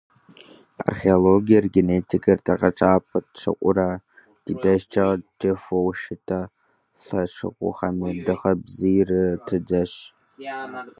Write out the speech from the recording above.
Археологиер, генетикэр тегъэщӏапӏэ тщӏыурэ, ди дежкӏэ кӏыфӏу щыта лӏэщӏыгъуэхэми дыгъэ бзийр тредзэж.